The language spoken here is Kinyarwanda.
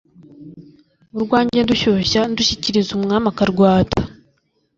“urwanjye ndushyushya ndushyikiriza umwami akarwata.